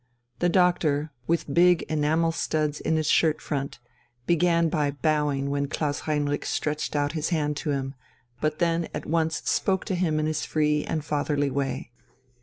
The doctor, with big enamel studs in his shirt front, began by bowing when Klaus Heinrich stretched out his hand to him, but then at once spoke to him in his free and fatherly way.